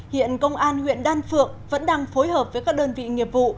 hiện công an huyện đan phượng vẫn đang phối hợp với các đơn vị nghiệp vụ